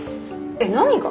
えっ何が？